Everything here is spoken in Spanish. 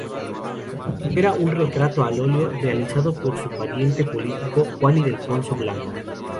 Se conserva un retrato al óleo realizado por su pariente político Juan Ildefonso Blanco.